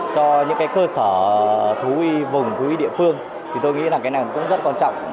cho những cái cơ sở thú y vùng thú uy địa phương thì tôi nghĩ là cái này cũng rất quan trọng